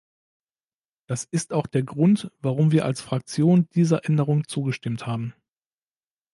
Das ist auch der Grund, warum wir als Fraktion dieser Änderung zugestimmt haben.